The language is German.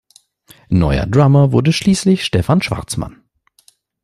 Neuer Drummer wurde schließlich Stefan Schwarzmann.